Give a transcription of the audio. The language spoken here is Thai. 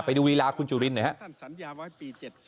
ไปดูวีราคุณจุฬินนะครับ